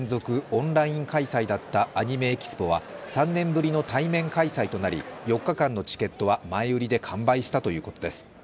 オンライン開催だったアニメ・エキスポは３年ぶりの対面開催となり、４日間のチケットは前売りで完売したということです。